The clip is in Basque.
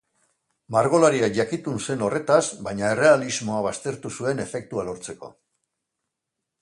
Margolariak jakitun zen horretaz baina errealismoa baztertu zuen efektua lortzeko.